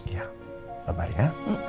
ya benar ya